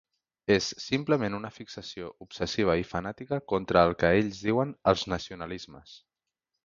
És simplement una fixació obsessiva i fanàtica contra el que ells diuen “els nacionalismes”.